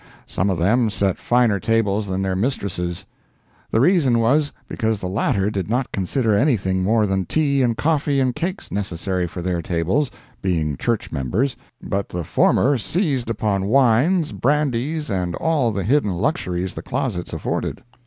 Some of them set finer tables than their mistresses. The reason was because the latter did not consider anything more than tea and coffee and cakes necessary for their tables (being church members) but the former seized upon wines, brandies and all the hidden luxuries the closets afforded.